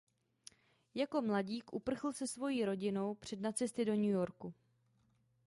Jako mladík uprchl se svojí rodinou před nacisty do New Yorku.